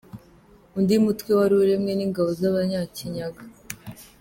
Undi mutwe wari uremwe n’ingabo z’Abanyakinyaga :.